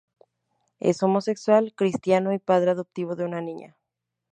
Es homosexual, cristiano y padre adoptivo de una niña.